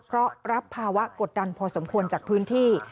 เพราะรับภาวะกดดันพอสมควรจากพื้นที่